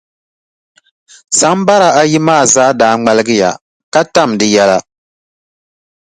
Sambara ayi maa zaa daa ŋmaligiya, ka tam di yɛla.